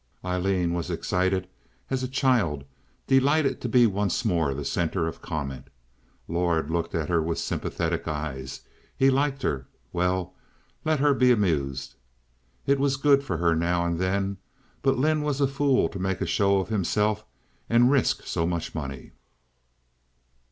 Aileen was excited as a child, delighted to be once more the center of comment. Lord looked at her with sympathetic eyes. He liked her. Well, let her he amused. It was good for her now and then; but Lynde was a fool to make a show of himself and risk so much money.